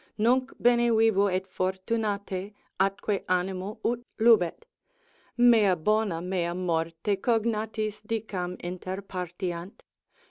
Nunc bene vivo et fortunate, atque animo ut lubet. Mea bona mea morte cognatis dicam interpartiant.